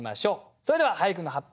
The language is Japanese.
それでは俳句の発表